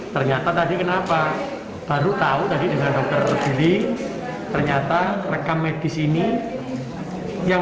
ternyata tadi kenapa baru tahu tadi dengan dokter gili ternyata rekam medis ini yang